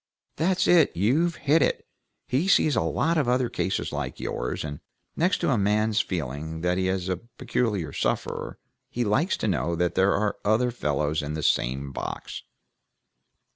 "That's it! You've hit it! He's seen lots of other cases like yours, and next to a man's feeling that he's a peculiar sufferer, he likes to know that there are other fellows in the same box."